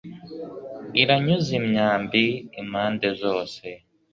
iranyuza imyambi impande zose